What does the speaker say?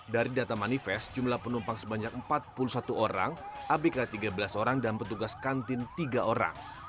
dari data manifest jumlah penumpang sebanyak empat puluh satu orang abk tiga belas orang dan petugas kantin tiga orang